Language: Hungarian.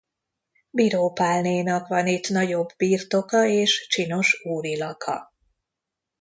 Biró Pálnénak van itt nagyobb birtoka és csinos úrilaka.